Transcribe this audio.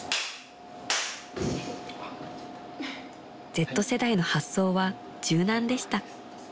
［Ｚ世代の発想は柔軟でした］